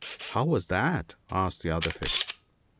* How was that ?' asked the other fish.